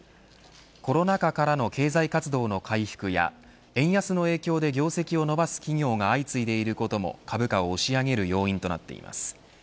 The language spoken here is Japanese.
コロナ禍からの経済活動の回復や円安の影響で、業績を伸ばす企業が相次いでいることも株価を押し上げる要因となっています。